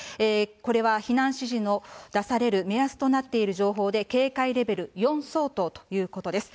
これは避難指示の出される目安となっている情報で、警戒レベル４相当ということです。